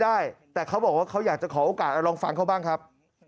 ได้แต่เขาบอกว่าเขาอยากจะขอโอกาสลองฟังเขาบ้างครับ